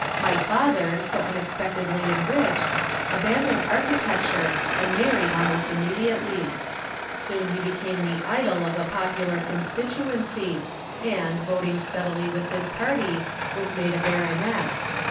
My father, so unexpectedly enriched, abandoned architecture and married almost immediately. Soon he became the idol of a popular constituency, and, voting steadily with his party, was made a baronet.